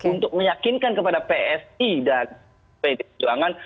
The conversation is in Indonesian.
untuk meyakinkan kepada psi dan pdi perjuangan